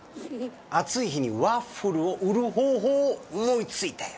暑い日にワッフルを売る方法を思いついたよ。